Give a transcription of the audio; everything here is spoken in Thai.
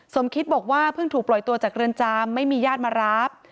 สมคิตบอกว่าเพิ่งถูกปล่อยตัวจากเรือนจำไม่มีญาติมารับ